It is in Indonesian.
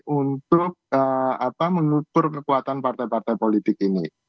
untuk mengukur kekuatan partai partai politik ini